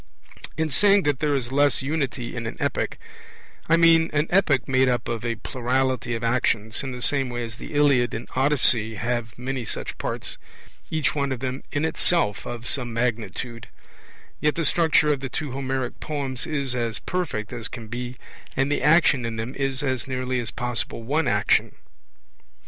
In saying that there is less unity in an epic, I mean an epic made up of a plurality of actions, in the same way as the Iliad and Odyssey have many such parts, each one of them in itself of some magnitude; yet the structure of the two Homeric poems is as perfect as can be, and the action in them is as nearly as possible one action.